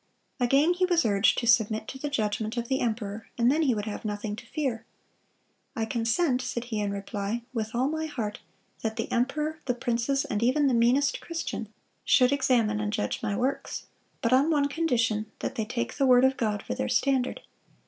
(232) Again he was urged to submit to the judgment of the emperor, and then he would have nothing to fear. "I consent," said he in reply, "with all my heart, that the emperor, the princes, and even the meanest Christian, should examine and judge my works; but on one condition, that they take the word of God for their standard.